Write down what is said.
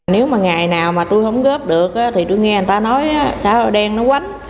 nếu mà ngày nào mà tôi không gớp được thì tôi nghe người ta nói xã hội đen nó quánh